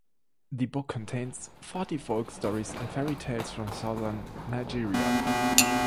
The book contains forty folk stories and fairy tales from Southern Nigeria.